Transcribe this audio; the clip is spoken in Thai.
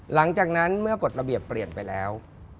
หลังจากนั้นเมื่อกฎระเบียบเปลี่ยนไปแล้ว